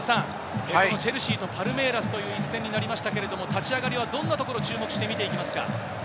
チェルシーとパルメイラスという一戦になりましたけれど、立ち上がりはどんなところ注目して見ていきますか？